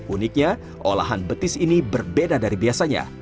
uniknya olahan betis ini berbeda dari biasanya